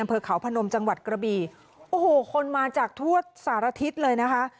อำเภอเขาพนมจังหวัดกระบีโอ้โหคนมาจากทั่วสารทิศเลยนะคะ